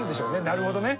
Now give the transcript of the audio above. なるほどね。